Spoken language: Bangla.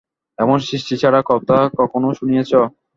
এমন সৃষ্টিছাড়া কথা কখনো শুনিয়াছ?